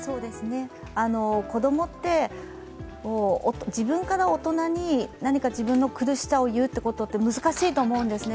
子供って自分から大人に何か自分の苦しさを言うって難しいと思うんですね。